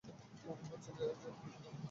উনি হচ্ছেন এজেন্ট বিক্রম।